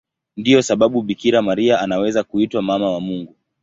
Ndiyo sababu Bikira Maria anaweza kuitwa Mama wa Mungu.